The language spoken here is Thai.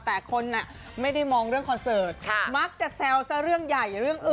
แต่คนไม่ได้มองเรื่องคอนเสิร์ตมักจะแซวซะเรื่องใหญ่เรื่องอื่น